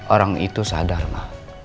orang itu sadar ma